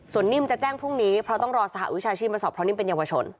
ส่วนนิ่มจะแจ้งพรุ่งนี้เพราะต้องรอสหวิชาชีพมาสอบเพราะนิ่มเป็นเยาวชน